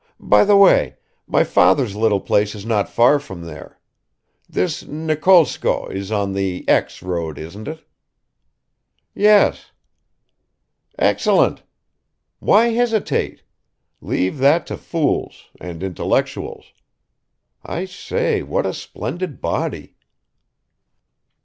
By the way my father's little place is not far from there. This Nikolskoe is on the X. road, isn't it?" "Yes." "Excellent. Why hesitate? Leave that to fools and intellectuals. I say what a splendid body!"